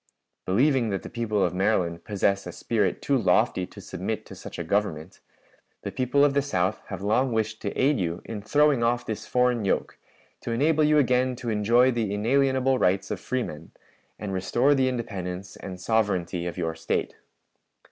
"Believing that the people of Maryland possess a spirit too lofty to submit to such a Government, the people of the South have long wished to aid yon in throwing off this foreign yoke, to enable you again to enjoy the inalienable rights of freemen, and restore the independence and sovereignty of your State.